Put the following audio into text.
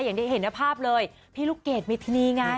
อย่างที่เห็นในภาพเลยพี่ลูกเกดมิธินีไง